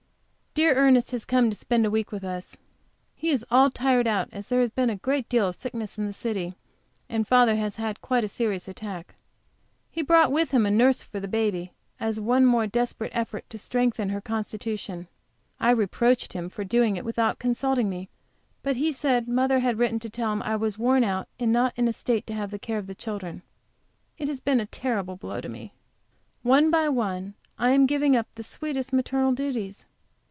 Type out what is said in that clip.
Dear Ernest has come to spend a week with us. He is all tired out, as there has been a great deal of sickness in the city, and father has had quite a serious attack. He brought with him a nurse for baby, as one more desperate effort to strengthen her constitution. I reproached him for doing it without consulting me, but he said mother bad written to tell him that I was all worn out and not in a state to have the care of the children. It has been a terrible blow to me. One by one I am giving up the sweetest maternal duties.